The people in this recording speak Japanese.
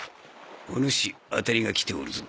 おぬし当たりがきておるぞ。